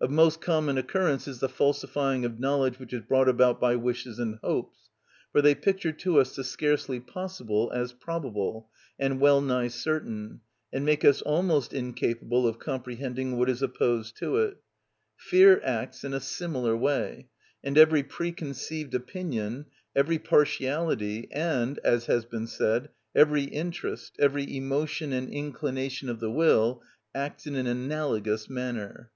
Of most common occurrence is the falsifying of knowledge which is brought about by wishes and hopes, for they picture to us the scarcely possible as probable and well nigh certain, and make us almost incapable of comprehending what is opposed to it: fear acts in a similar way; and every preconceived opinion, every partiality, and, as has been said, every interest, every emotion and inclination of the will, acts in an analogous manner.